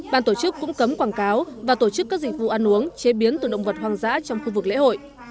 ban tổ chức cũng cấm quảng cáo và tổ chức các dịch vụ ăn uống chế biến từ động vật hoang dã trong khu vực lễ hội